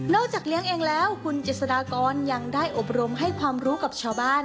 จากเลี้ยงเองแล้วคุณเจษฎากรยังได้อบรมให้ความรู้กับชาวบ้าน